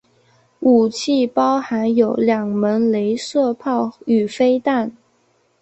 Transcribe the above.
武器包含有两门雷射炮与飞弹。